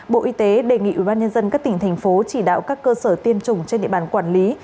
bộ y tế đề nghị ubnd các tỉnh thành phố chỉ đạo các cơ sở tiêm chủng trên địa bàn quản lý